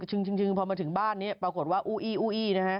อึงชึงพอมาถึงบ้านปรากฏว่าอู้อี้